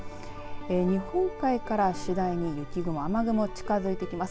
日本海から次第に雪の雨雲が近づいてきます。